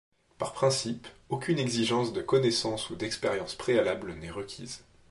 Par principe, aucune exigence de connaissances ou d'expérience préalables n'est requise.